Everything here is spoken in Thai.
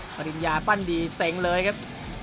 กริมยาปั้นดีเสงเลยครับ